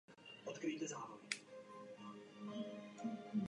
Evakuace však nemusí být tak rozsáhlá.